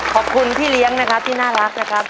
ขอบคุณพี่เลี้ยงนะครับที่น่ารักนะครับ